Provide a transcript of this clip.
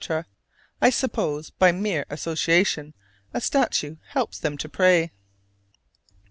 I suppose, by mere association, a statue helps them to pray.